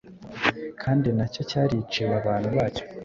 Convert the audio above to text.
kandi nacyo cyariciwe abantu bacyo